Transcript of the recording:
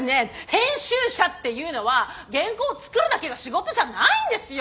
編集者っていうのは原稿作るだけが仕事じゃないんですよ！